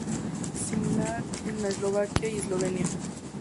Similar a la de Eslovaquia y Eslovenia.